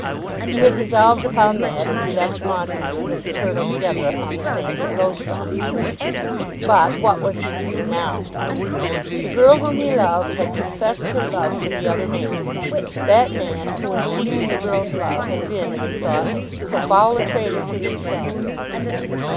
He had resolved upon that as he left Montague and Mrs. Hurtle together upon the sands at Lowestoft. But what was he to do now? The girl whom he loved had confessed her love for the other man, that man, who in seeking the girl's love, had been as he thought so foul a traitor to himself!